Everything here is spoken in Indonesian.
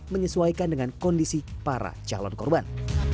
menyesuaikan dengan kondisi para calon korban